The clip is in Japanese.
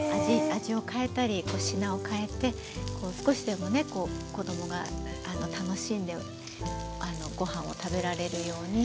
味を変えたり品を変えて少しでもね子供が楽しんでごはんを食べられるように。